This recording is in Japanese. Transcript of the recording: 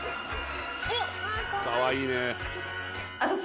・かわいいね。